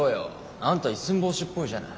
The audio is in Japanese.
あんた一寸法師っぽいじゃない。